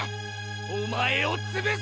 お前を潰す！